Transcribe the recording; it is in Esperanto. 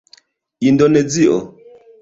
indonezio